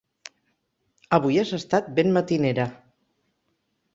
Avui has estat ben matinera.